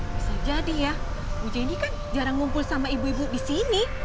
bisa jadi ya bu jenny kan jarang ngumpul sama ibu ibu di sini